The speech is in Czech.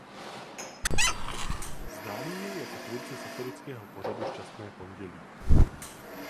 Známý je jako tvůrce satirického pořadu Šťastné pondělí.